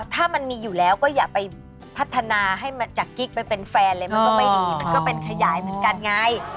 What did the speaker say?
ถ้ามันมีอยู่แล้วก็อย่าไปพัฒนาให้จากกิ๊กไปเป็นแฟนเลยมันก็ไม่ดีมันก็เป็นขยายเหมือนกันไง